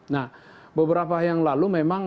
nah beberapa yang lalu memang